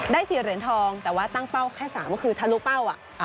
๔เหรียญทองแต่ว่าตั้งเป้าแค่๓ก็คือทะลุเป้าอ่ะ